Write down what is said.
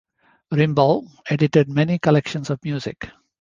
Rimbault edited many collections of music.